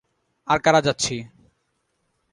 আর কারা যাচ্ছি?